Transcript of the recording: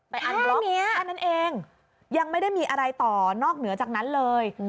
ไปอันบล็อกอันนั้นเองแห้งเนี่ยยังไม่ได้มีอะไรต่อนอกเหนือจากนั้นเลย